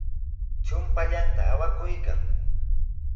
Mamallaa wawqiipa chumpallanta awakuykan.